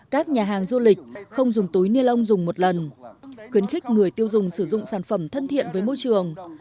các nhà hàng du lịch không dùng túi ni lông dùng một lần khuyến khích người tiêu dùng sử dụng sản phẩm thân thiện với môi trường